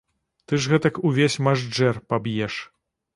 Ты ж гэтак увесь мажджэр паб'еш.